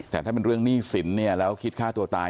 แต่ถ้าเป็นเรื่องหนี้สินเนี่ยแล้วคิดฆ่าตัวตาย